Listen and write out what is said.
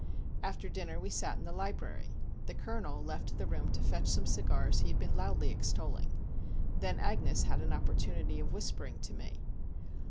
After dinner we sat in the library. The Colonel left the room to fetch some cigars he had been loudly extolling. Then Agnes had an opportunity of whispering to me.